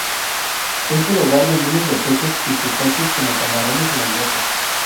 Es el hogar de miles de peces y crustáceos como camarones y langostas.